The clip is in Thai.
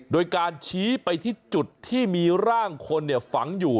โดยการชี้ไปที่จุดที่มีร่างคนฝังอยู่